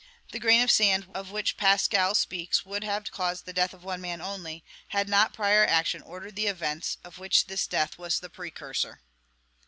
The grain of sand of which Pascal speaks would have caused the death of one man only, had not prior action ordered the events of which this death was the precursor.